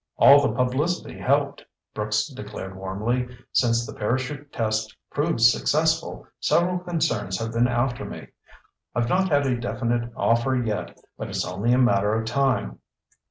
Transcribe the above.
"All the publicity helped," Brooks declared warmly. "Since the parachute test proved successful, several concerns have been after me. I've not had a definite offer yet, but it's only a matter of time."